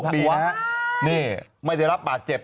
เนี่ยไม่ได้รับบาดเจ็บ